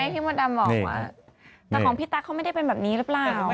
พี่มดดำบอกว่าแต่ของพี่ตั๊กเขาไม่ได้เป็นแบบนี้หรือเปล่า